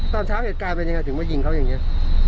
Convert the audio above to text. ตอนเช้าเหตุการณ์เป็นยังไงถึงมายิงเขาอย่างนี้